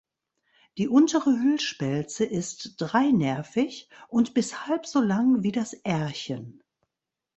Die untere Hüllspelze ist dreinervig und bis halb so lang wie das Ährchen.